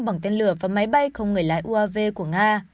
bằng tên lửa và máy bay không người lái uav của nga